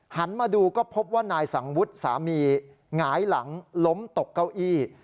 หันมาดูก็พบว่านายสังวุฒิสามีหงายหลังล้มตกเก้าอี้